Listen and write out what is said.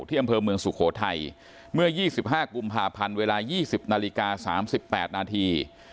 อำเภอเมืองสุโขทัยเมื่อ๒๕กุมภาพันธ์เวลา๒๐นาฬิกา๓๘นาที